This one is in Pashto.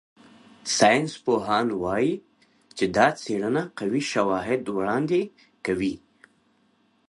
ساینسپوهان وايي چې دا څېړنه قوي شواهد وړاندې کوي.